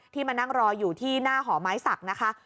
ที่มานั่งรออยู่ที่หน้าห่อไม้ศักดิ์